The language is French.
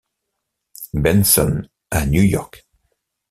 Benson à New York.